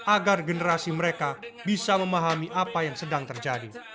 agar generasi mereka bisa memahami apa yang sedang terjadi